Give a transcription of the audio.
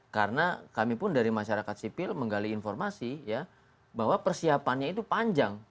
karena kami pun dari masyarakat sipil menggali informasi bahwa persiapannya itu panjang